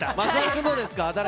松丸君どうですか？